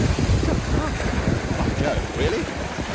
'So is mine.' 'By Jove! Really?'